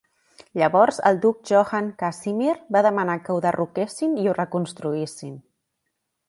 Llavors, el duc Johann Casimir va manar que ho derroquessin i ho reconstruïssin.